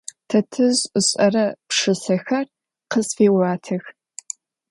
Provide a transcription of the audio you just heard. Тэтэжъ ышӏэрэ пшысэхэр къысфеӏуатэх.